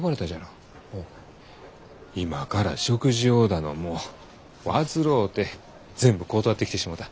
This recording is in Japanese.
「今から食事を」だのもう煩うて全部断ってきてしもうた。